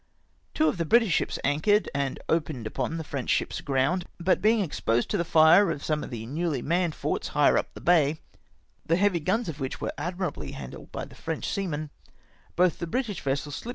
Two of the British ships anchored, and opened upon the French ships aground, but being exposed to the fire of some of the newly manned forts higher up the bay, the heavy guns of which were admirably handled by the French ■ seamen, both the British vessels slipped VOL.